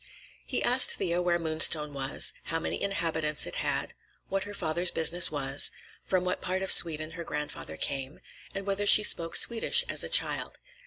He asked Thea where Moonstone was; how many inhabitants it had; what her father's business was; from what part of Sweden her grandfather came; and whether she spoke Swedish as a child.